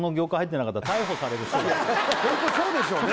ホントそうでしょうね